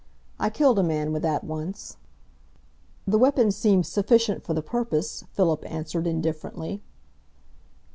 "I killed a man with that once." "The weapon seems sufficient for the purpose," Philip answered indifferently.